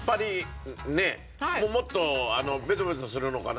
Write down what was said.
もっとベトベトするのかなと思ったら。